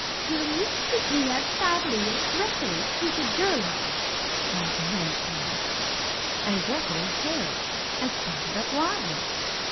'Will you treat me as badly as Grethari treated Geirlaug?' cried the hen at last. And Grethari heard, and started up wildly.